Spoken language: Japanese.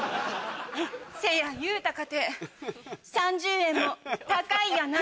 せや言うたかて３０円も高いやないの。